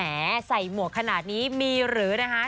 ใส่หมวกขนาดนี้มีหรือนะคะ